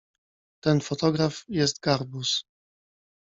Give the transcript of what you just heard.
Ten fotograf jest garbus.